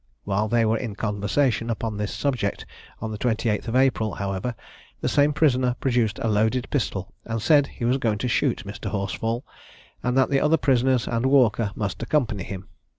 While they were in conversation upon this subject on the 28th April, however, the same prisoner produced a loaded pistol, and said that he was going to shoot Mr. Horsfall, and that the other prisoners and Walker must accompany him.